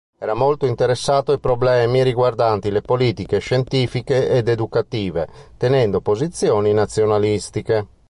Era molto interessato ai problemi riguardanti le politiche scientifiche ed educative, tenendo posizioni nazionalistiche.